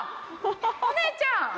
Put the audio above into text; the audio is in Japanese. お姉ちゃん！